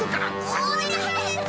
お願いです！